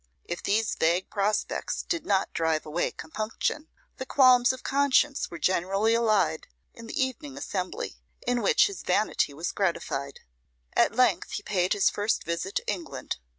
If these vague prospects did not drive away compunction, the qualms of conscience were generally allayed in the evening assembly, in which his vanity was gratified. At length he paid his first visit to England.